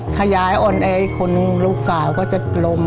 ถ้าย้ายอ่อนไอคนลูกสาวก็จะลม